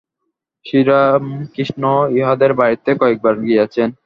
শ্রীরামকৃষ্ণ ইঁহাদের বাড়ীতে কয়েকবার গিয়াছেন।